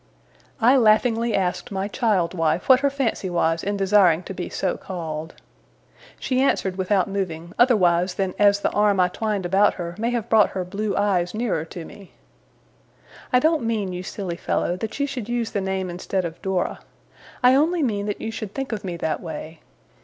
I laughingly asked my child wife what her fancy was in desiring to be so called. She answered without moving, otherwise than as the arm I twined about her may have brought her blue eyes nearer to me: 'I don't mean, you silly fellow, that you should use the name instead of Dora. I only mean that you should think of me that way.